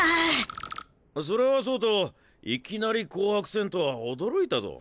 それはそうといきなり紅白戦とは驚いたぞ。